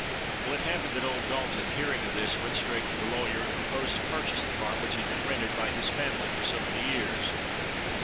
Well, it happened that old Dalton, hearing of this, went straight to the lawyer, and proposed to purchase the farm which had been rented by his family for so many years.